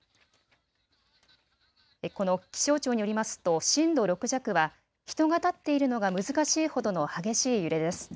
気象庁によりますと震度６弱は人が立っているのが難しいほどの激しい揺れです。